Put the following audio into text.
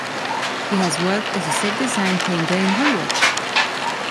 He has worked as a set-design painter in Hollywood.